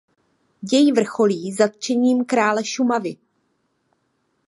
Děj vrcholí zatčením Krále Šumavy.